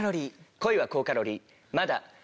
恋は高カロリー。